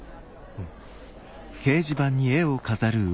うん。